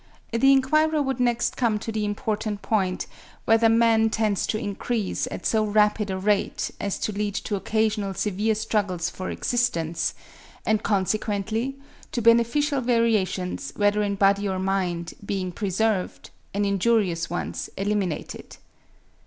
The enquirer would next come to the important point, whether man tends to increase at so rapid a rate, as to lead to occasional severe struggles for existence; and consequently to beneficial variations, whether in body or mind, being preserved, and injurious ones eliminated.